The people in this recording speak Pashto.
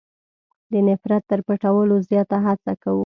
د نفرت تر پټولو زیاته هڅه کوو.